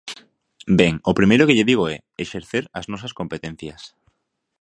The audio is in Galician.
Ben, o primeiro que lle digo é: exercer as nosas competencias.